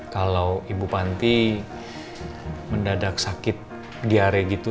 kalau ibu panti mendadak sakit diare gitu